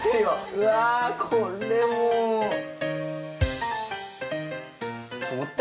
うわこれもう。